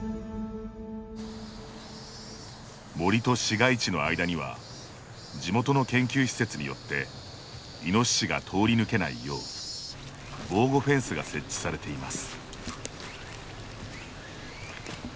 森と市街地の間には地元の研究施設によってイノシシが通り抜けないよう防護フェンスが設置されています。